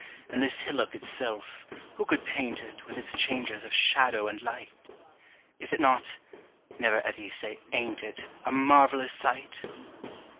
And this hillock itself—who could paint it, With its changes of shadow and light? Is it not—(never, Eddy, say "ain't it")— A marvellous sight?